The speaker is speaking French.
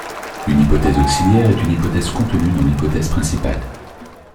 Une hypothèse auxiliaire est une hypothèse contenue dans l’hypothèse principale.